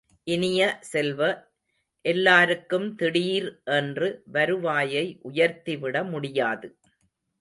இனிய செல்வ, எல்லாருக்கும் திடீர் என்று வருவாயை உயர்த்திவிடமுடியாது.